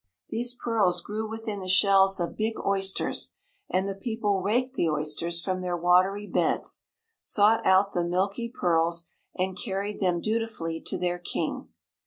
These pearls grew within the shells of big oysters, and the people raked the oysters from their watery beds, sought out the milky pearls and carried them dutifully to their King.